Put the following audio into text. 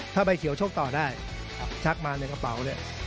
ถ้าใบเขียวชกต่อได้ชักมาในกระเป๋าเนี่ย